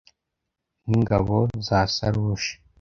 n’ingabo za sarushi,